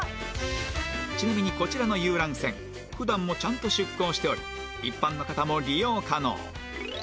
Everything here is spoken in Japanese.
ちなみにこちらの遊覧船普段もちゃんと出航しており一般の方も利用可能